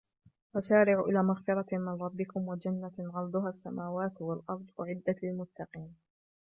وَسَارِعُوا إِلَى مَغْفِرَةٍ مِنْ رَبِّكُمْ وَجَنَّةٍ عَرْضُهَا السَّمَاوَاتُ وَالْأَرْضُ أُعِدَّتْ لِلْمُتَّقِينَ